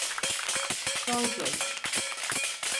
Son kez.